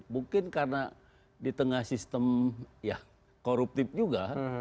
mungkin karena di tengah sistem ya koruptif juga